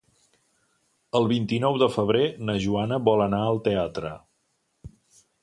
El vint-i-nou de febrer na Joana vol anar al teatre.